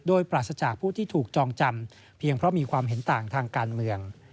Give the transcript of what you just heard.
โดยปราศจากผู้ที่ถูกจองจำเพียงเพราะมีความเห็นต่างทางการเมือง